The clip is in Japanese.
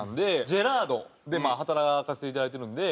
ジェラードで働かせていただいてるんで。